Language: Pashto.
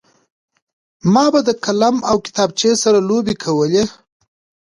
ما به د قلم او کتابچې سره لوبې کولې